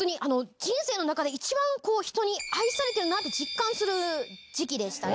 人生の中で一番、人に愛されてるなと実感する時期でしたね。